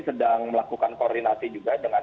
sedang melakukan koordinasi juga dengan